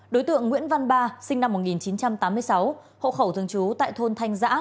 đối tượng nguyễn văn ba sinh năm một nghìn chín trăm tám mươi sáu hộ khẩu thường trú tại thôn thanh giã